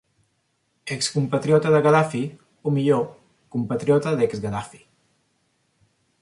Ex compatriota de Gaddafi o, millor, compatriota d'ex Gaddafi.